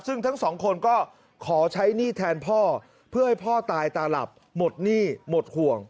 ซึ่งทั้งสองคนก็ขอใช้หนี้แทนพ่อเพื่อให้พ่อตายตาหลับหมดหนี้หมดห่วง